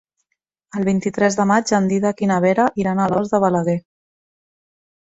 El vint-i-tres de maig en Dídac i na Vera iran a Alòs de Balaguer.